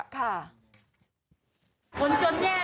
ค่ะคนจนแย่แล้วตอนนี้ทำงานยังไม่ได้สามร้อยเลย